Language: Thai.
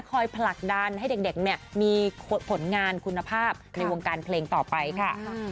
ผลักดันให้เด็กมีผลงานคุณภาพในวงการเพลงต่อไปค่ะ